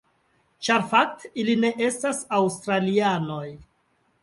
Ĉar fakte, ili ne estas aŭstralianoj.